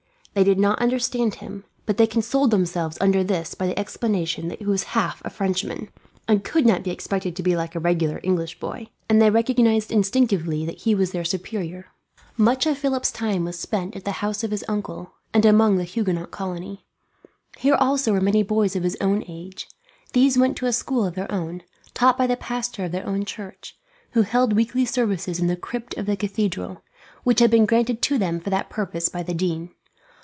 They did not understand him, but they consoled themselves under this by the explanation that he was half a Frenchman, and could not be expected to be like a regular English boy; and they recognized instinctively that he was their superior. Much of Philip's time was spent at the house of his uncle, and among the Huguenot colony. Here also were many boys of his own age. These went to a school of their own, taught by the pastor of their own church, who held weekly services in the crypt of the cathedral, which had been granted to them for that purpose by the dean.